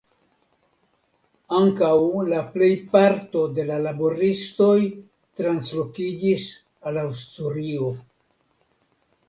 Ankaŭ la plej parto de la laboristoj translokiĝis al Asturio.